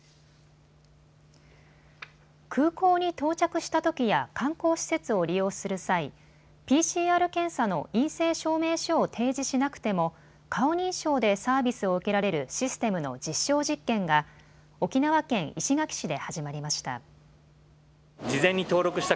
空港に到着したときや観光施設を利用する際、ＰＣＲ検査の陰性証明書を提示しなくても顔認証でサービスを受けられるシステムの実証実験が沖縄県石垣市で始まりました。